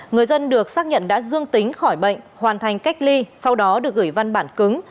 người dân được xác nhận đã dương tính khỏi bệnh hoàn thành cách ly sau đó được gửi văn bản cứng